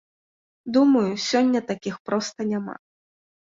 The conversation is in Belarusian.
Думаю, сёння такіх проста няма.